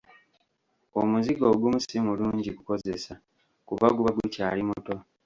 Omuzigo ogumu si mulungi kukozesa kuba guba gukyali muto.